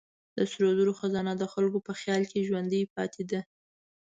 د سرو زرو خزانه د خلکو په خیال کې ژوندۍ پاتې ده.